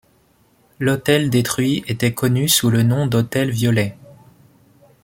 L’hôtel détruit etait connu sous le nom d’hôtel Violet.